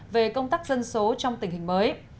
về công tác dân số trong tình hình mới